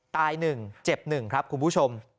๑เจ็บ๑ครับคุณผู้ชม